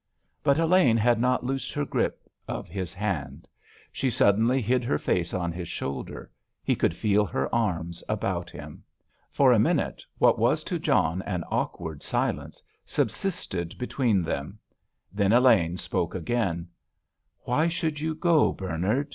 But Elaine had not loosed her grip of his hand. She suddenly hid her face on his shoulder; he could feel her arms about him. For a minute, what was to John an awkward silence, subsisted between them, then Elaine spoke again: "Why should you go, Bernard?"